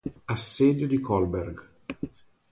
Assedio di Kolberg